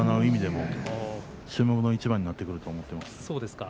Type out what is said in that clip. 意味でも注目の一番になってくると思います。